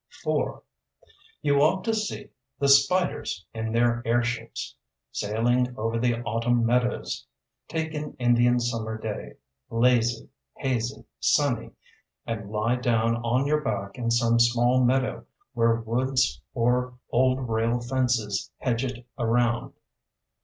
IV You ought to see the spiders in their airships, sailing over the autumn meadows. Take an Indian Summer day, lazy, hazy, sunny, and lie down on your back in some small meadow where woods or old rail fences hedge it around.